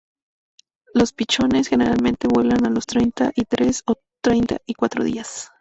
Los pichones generalmente vuelan a los treinta y tres o treinta y cuatro días.